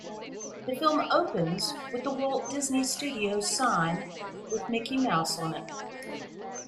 The film opens with the Walt Disney Studios sign with Mickey Mouse on it.